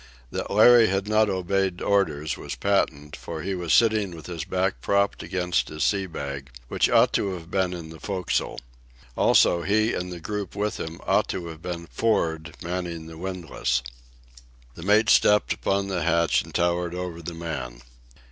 That Larry had not obeyed orders was patent, for he was sitting with his back propped against his sea bag, which ought to have been in the forecastle. Also, he and the group with him ought to have been for'ard manning the windlass. The mate stepped upon the hatch and towered over the man.